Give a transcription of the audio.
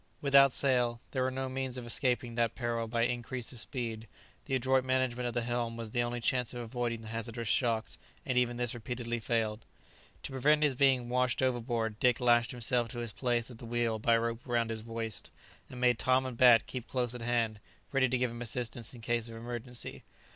Without sail, there were no means of escaping that peril by increase of speed; the adroit management of the helm was the only chance of avoiding the hazardous shocks, and even this repeatedly failed. To prevent his being washed overboard Dick lashed himself to his place at the wheel by a rope round his waist, and made Tom and Bat keep close at hand, ready to give him assistance, in case of emergency.